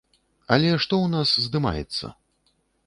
Але што ў нас здымаецца?